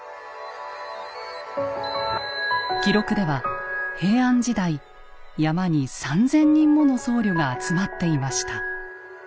記録では平安時代山に３，０００人もの僧侶が集まっていました。